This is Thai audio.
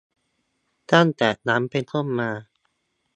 ตั้งแต่นั้นเป็นต้นมา